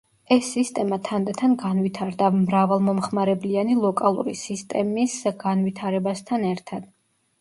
ეს სისტემა თანდათან განვითარდა, მრავალმომხმარებლიანი ლოკალური სისტემის განვითარებასთან ერთად.